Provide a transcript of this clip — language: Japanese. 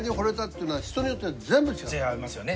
違いますよね。